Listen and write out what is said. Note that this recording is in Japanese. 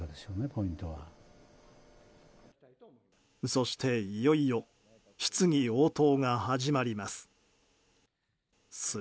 そして、いよいよ質疑応答が始まります。